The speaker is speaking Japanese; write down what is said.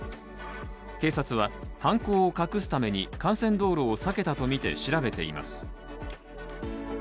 警察は犯行を隠すために、幹線道路を避けたとみて調べています。